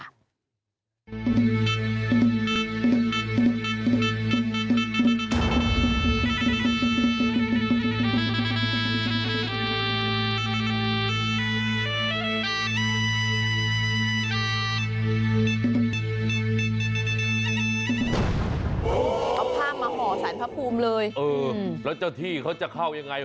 เอาผ้ามาห่อสารพระภูมิเลยเออแล้วเจ้าที่เขาจะเข้ายังไง